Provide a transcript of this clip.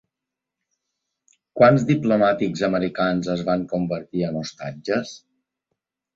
Quants diplomàtics americans es van convertir en ostatges?